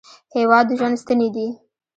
هېواد د ژوند ستنې دي.